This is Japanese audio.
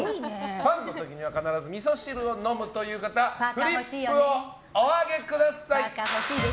パンの時には必ずみそ汁を飲むという方フリップをお上げください！